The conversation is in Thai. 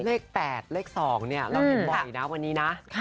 เลข๘เลข๒เราเห็นบ่อยนะวันนี้นะ